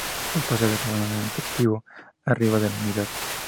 Los pasajes se abonan en efectivo arriba de la unidad.